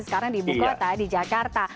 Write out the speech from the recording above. sekarang di ibu kota di jakarta